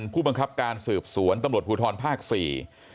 ผู้บังคับการสืบสวนตำรวจภูทรภาคสี่